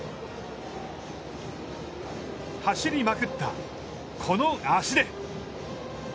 走りまくった、この足で。